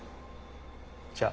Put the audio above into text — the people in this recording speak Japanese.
じゃあ。